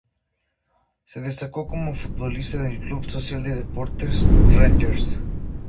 Se destacó como futbolista del Club Social de Deportes Rangers.